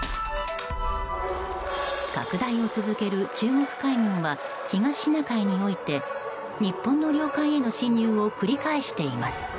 拡大を続ける中国海軍は東シナ海において日本の領海への侵入を繰り返しています。